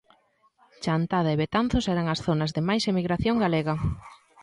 Chantada e Betanzos eran as zonas de máis emigración galega.